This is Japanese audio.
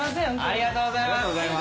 ありがとうございます！